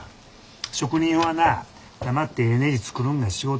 職人はな黙ってええねじ作るんが仕事や。